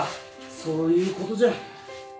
そういうことじゃ。